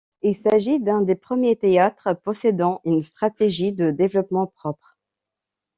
Il s'agit d'un des premiers théâtres possédant une stratégie de développement propre.